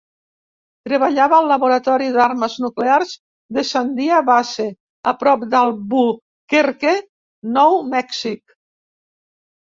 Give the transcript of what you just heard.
Treballava al Laboratori d'Armes Nuclears de Sandia Base, a prop d'Albuquerque, Nou Mèxic.